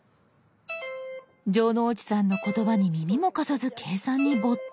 城之内さんの言葉に耳も貸さず計算に没頭。